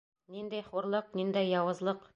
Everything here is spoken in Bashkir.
Ниндәй хурлыҡ, ниндәй яуызлыҡ!